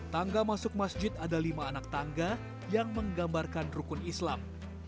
tangga masuk masjid ada lima anak tangga yang menggambarkan rukun islam